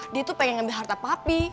dia tuh pengen ngambil harta papi